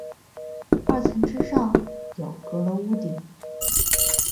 二层之上有阁楼屋顶。